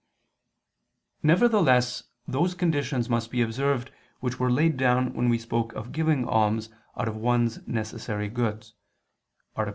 Nevertheless those conditions must be observed which were laid down when we spoke of giving alms out of one's necessary goods (A. 9).